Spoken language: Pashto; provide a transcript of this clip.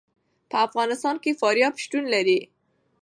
په افغانستان کې فاریاب شتون لري.